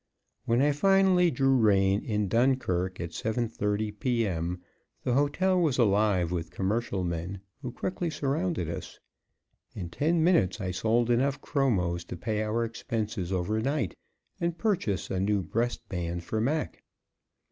When I finally drew rein in Dunkirk, at 7:30 P. M., the hotel was alive with commercial men who quickly surrounded us. In ten minutes I sold enough chromos to pay our expenses over night and purchase a new breast band for Mac.